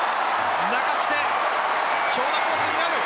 流して長打コースになる。